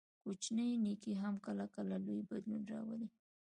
کوچنی نیکي هم کله کله لوی بدلون راولي.